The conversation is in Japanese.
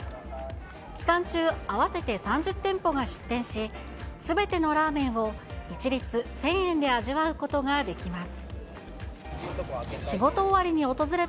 期間中、合わせて３０店舗が出店し、すべてのラーメンを一律１０００円で味わうことができます。